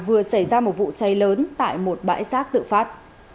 vừa xảy ra một vụ cháy lớn tại một bãi rác tự phát